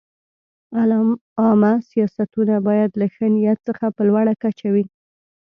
عامه سیاستونه باید له ښه نیت څخه په لوړه کچه وي.